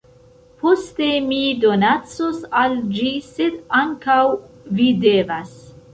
Poste, mi donacos al ĝi sed ankaŭ vi devas